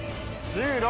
１６。